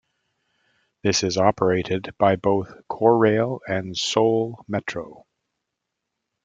This is operated by both Korail and Seoul Metro.